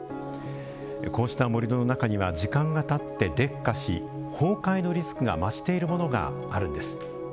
こうした盛土の中には時間がたって劣化し崩壊のリスクが増しているものがあるんです。